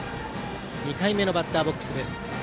２回目のバッターボックスです。